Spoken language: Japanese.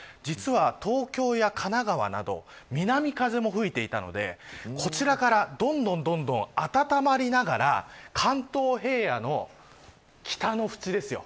実は東京や神奈川など南風も吹いていたのでこちらから、どんどんどんどん温まりながら関東平野の北の縁ですよ。